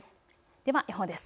では予報です。